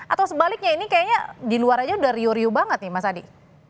atau sebaliknya ini kayaknya diluar aja udah riuh riuh banget nih mas adi